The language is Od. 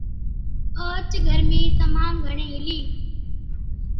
اوهچ گرمِي تمام گھڻِي هِلِي،